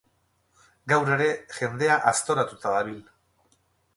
Gaur ere jendea aztoratuta dabil